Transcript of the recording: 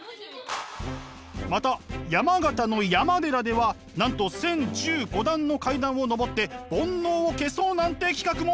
また山形の山寺ではなんと１，０１５段の階段を上って煩悩を消そうなんて企画も。